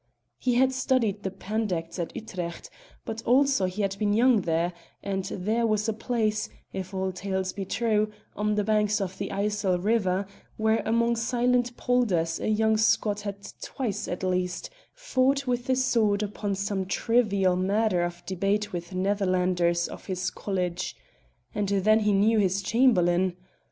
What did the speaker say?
He had studied the Pandects at Utrecht, but also he had been young there, and there was a place (if all tales be true) on the banks of the Yssel River where among silent polders a young Scot had twice at least fought with the sword upon some trivial matter of debate with Netherlanders of his college. And then he knew his Chamberlain.